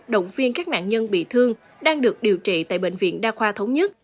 động viên các nạn nhân bị thương đang được điều trị tại bệnh viện đa khoa thống nhất